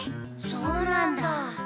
そうなんだ。